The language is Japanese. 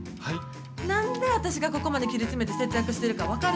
なんで私がここまで切り詰めて節約しているか分かる？